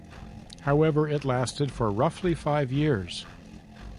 However, it lasted for roughly five years.